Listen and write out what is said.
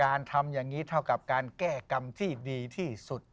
ทำอย่างนี้เท่ากับการแก้กรรมที่ดีที่สุด